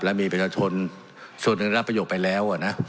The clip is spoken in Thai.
และมีประชาชนชนถึงรับประโยคไปแล้วอ่ะนะ